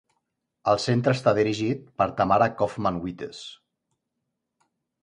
El Centre està dirigit per Tamara Cofman Wittes.